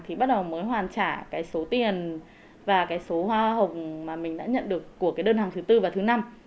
hoàn trả số tiền và số hoa hồng mà mình đã nhận được của đơn hàng thứ bốn và thứ năm